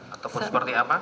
ataupun seperti apa